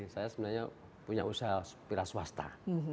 saya sebenarnya punya usaha pira swasta